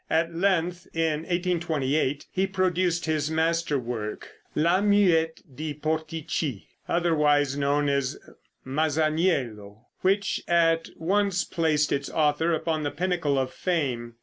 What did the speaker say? At length, in 1828, he produced his master work, "La Muette di Portici," otherwise known as "Masaniello," which at once placed its author upon the pinnacle of fame.